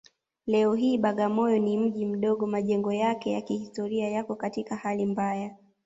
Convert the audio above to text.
Leo hii Bagamoyo ni mji mdogo Majengo yake ya kihistoria yako katika hali mbaya